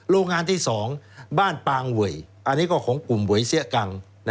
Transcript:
โรงงานที่๒บ้านปางเวยอันนี้ก็ของกลุ่มเวยเสี้ยกัง